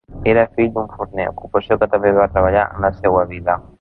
Era fill d'un forner, ocupació que també va treballar en la seua vida.